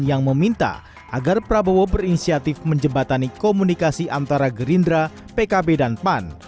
yang meminta agar prabowo berinisiatif menjembatani komunikasi antara gerindra pkb dan pan